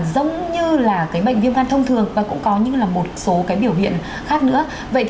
giống như là cái bệnh viêm gan thông thường và cũng có những là một số cái biểu hiện khác nữa